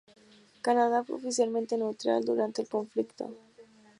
Canadá, fue oficialmente neutral durante el conflicto.